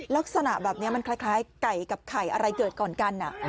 ลักษณะแบบนี้มันคล้ายไก่กับไข่อะไรเกิดก่อนกัน